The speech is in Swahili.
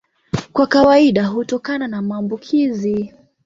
Kwa kawaida hutokana na maambukizi.